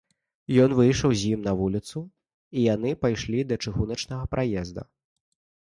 Ён выйшаў з ім на вуліцу, і яны пайшлі да чыгуначнага пераезда.